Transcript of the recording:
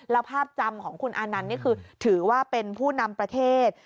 แล้วภาพจำของคุณอานันต์นี่คือถือว่าเป็นผู้นำประเทศ